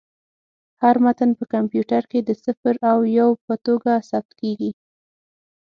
هر متن په کمپیوټر کې د صفر او یو په توګه ثبت کېږي.